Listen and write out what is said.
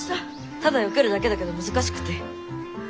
ただよけるだけだけど難しくて。